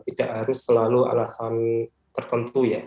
tidak harus selalu alasan tertentu ya